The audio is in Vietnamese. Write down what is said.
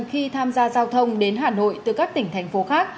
khi tham gia giao thông đến hà nội từ các tỉnh thành phố khác